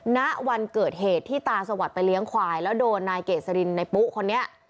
ณวันเกิดเหตุที่ตาสวัสดิไปเลี้ยงควายแล้วโดนนายเกษรินในปุ๊คนนี้